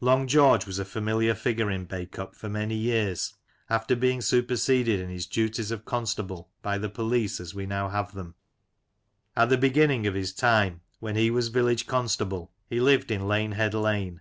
Long George was a familiar figure in Bacup for many years after being superseded in his duties of constable by the police as we now have them. At the beginning of his time, when he was village constable, he lived in Lane Head Lane.